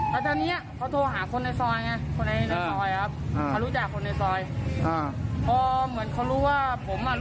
เขาต่อยเราก่อนเหรอต่อยเราก่อนครับต้องมีครับต้องมี